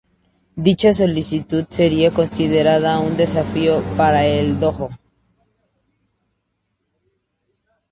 Dicha solicitud sería considerada un "desafío" para el dojo.